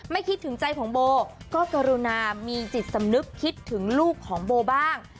คิดถึงใจของโบก็กรุณามีจิตสำนึกคิดถึงลูกของโบบ้าง